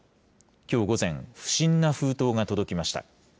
きょう午前、不審な封筒が届きました。